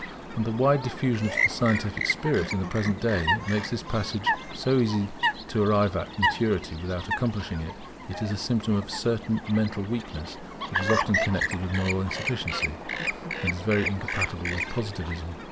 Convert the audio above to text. And the wide diffusion of the scientific spirit in the present day makes this passage so easy that to arrive at maturity without accomplishing it, is a symptom of a certain mental weakness, which is often connected with moral insufficiency, and is very incompatible with Positivism.